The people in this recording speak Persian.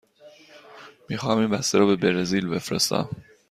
می خواهم این بسته را به برزیل بفرستم.